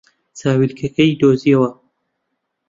چاویلکەکەی دۆزییەوە.